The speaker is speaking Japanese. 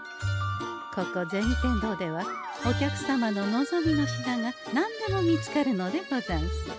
ここ銭天堂ではお客様の望みの品がなんでも見つかるのでござんす。